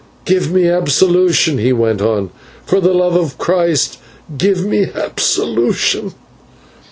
"Give me absolution," he went on, "for the love of Christ, give me absolution."